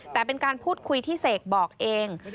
แต่เป็นการพูดคุยที่เสกบอกเอง